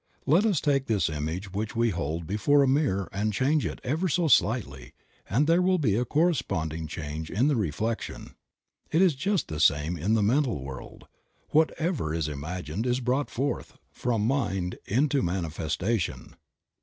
Let us take this image which we hold before a mirror and change it ever so slightly and there will be a corresponding change in the reflection. It is just the same in the mental world; whatever is imaged is brought forth from mind into mani festation.